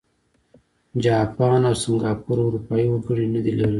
جاپان او سینګاپور اروپايي وګړي نه دي لرلي.